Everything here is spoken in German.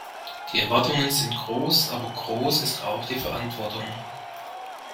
Die Erwartungen sind groß, aber groß ist auch die Verantwortung.